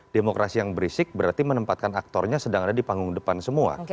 demokrasi yang berisik berarti menempatkan aktornya sedang ada di panggung depan semua